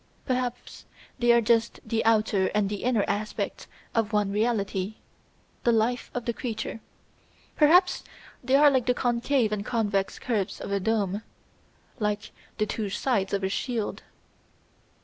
Perhaps they are just the outer and the inner aspects of one reality the life of the creature. Perhaps they are like the concave and convex curves of a dome, like the two sides of a shield.